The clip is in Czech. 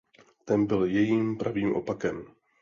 Ten byl jejím pravým opakem.